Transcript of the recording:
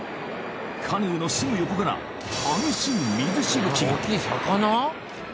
カヌーのすぐ横から激しい水しぶきが！